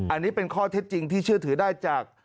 อันนี้เป็นข้อเท็จจริงที่เชื่อถือได้จาก